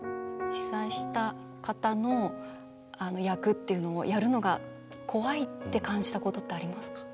被災した方の役っていうのをやるのが怖いって感じたことってありますか？